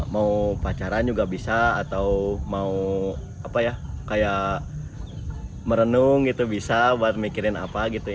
mau pacaran juga bisa atau mau merenung gitu bisa buat mikirin apa gitu